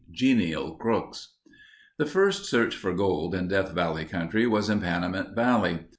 Genial Crooks The first search for gold in Death Valley country was in Panamint Valley.